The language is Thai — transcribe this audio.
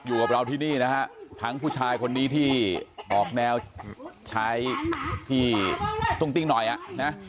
อยู่กับเราที่นี่นะฮะทั้งผู้ชายคนนี้ที่ออกแนวชายที่ตุ้งติ้งหน่อยอ่ะนะ